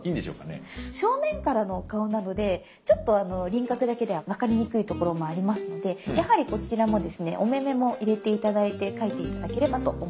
正面からの顔なのでちょっと輪郭だけでは分かりにくいところもありますのでやはりこちらもですねお目目も入れて頂いて描いて頂ければと思います。